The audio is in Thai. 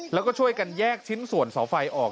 แล้วก็ช่วยกันแยกชิ้นส่วนเสาไฟออก